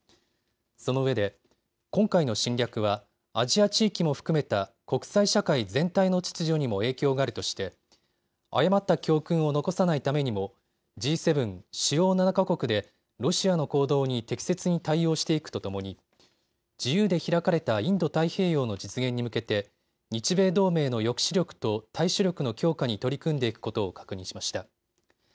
そのうえで今回の侵略はアジア地域も含めた国際社会全体の秩序にも影響があるとして誤った教訓を残さないためにもＧ７・主要７か国でロシアの行動に適切に対応していくとともに自由で開かれたインド太平洋の実現に向けて日米同盟の抑止力と対処力の強化に取り組んでいくことを確認しました。